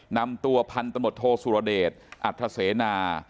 นำตัวพันธมตโทสุรเดชอัธเสนา